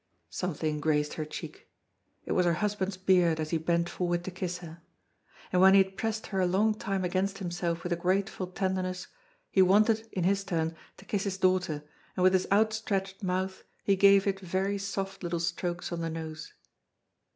Something grazed her cheek; it was her husband's beard as he bent forward to kiss her. And when he had pressed her a long time against himself with a grateful tenderness, he wanted, in his turn, to kiss his daughter, and with his outstretched mouth he gave it very soft little strokes on the nose.